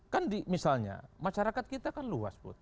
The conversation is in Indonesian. kan misalnya masyarakat kita kan luas pun